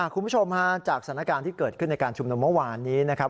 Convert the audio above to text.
คุณผู้ชมฮะจากสถานการณ์ที่เกิดขึ้นในการชุมนุมเมื่อวานนี้นะครับ